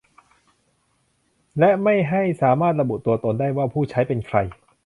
และไม่ให้สามารถระบุตัวตนได้ว่าผู้ใช้เป็นใคร